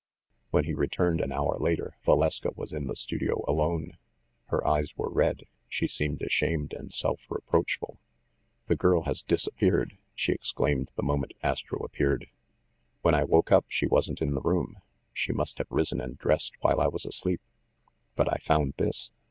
When he returned, an hour later, Valeska was in the studio alone. Her eyes were red ; she seemed ashamed and self reproachful. NUMBER THIRTEEN 175 "The girl has disappeared!" she exclaimed the mo ment Astro appeared. "When I woke up, she wasn't in the room. She must have risen and dressed while I was asleep. But I found this."